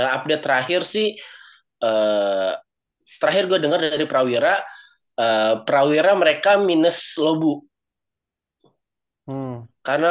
update terakhir sih terakhir gue denger dari perawiran perawiran mereka minus lobu karena